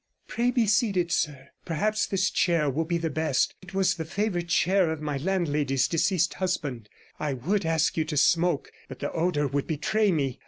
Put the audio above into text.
'Pray be seated, sir. Perhaps this chair will be the best; it was the favoured chair of my landlady's deceased husband. I would ask you to smoke, but the odour would betray me.